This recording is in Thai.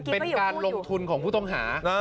เป็นการลงทุนของผู้ต้องหา